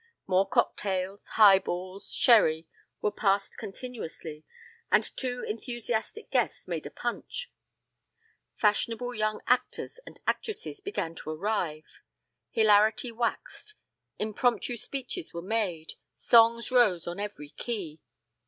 More cocktails, highballs, sherry, were passed continuously, and two enthusiastic guests made a punch. Fashionable young actors and actresses began to arrive. Hilarity waxed, impromptu speeches were made, songs rose on every key.